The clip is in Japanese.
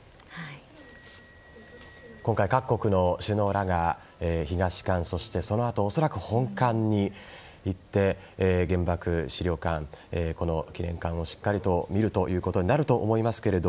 今回、各国の首脳らが東館そのあと恐らく本館に行って原爆資料館、この記念館をしっかりと見るということになると思いますが。